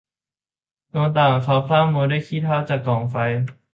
ดวงตาของเขาพร่ามัวด้วยขี้เถ้าจากกองไฟ